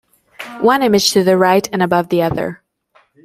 One image to the right and above the other.